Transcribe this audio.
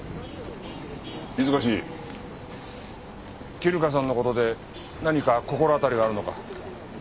絹香さんの事で何か心当たりがあるのか？